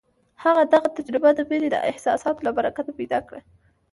هغه دغه تجربه د مينې د احساساتو له برکته پيدا کړه.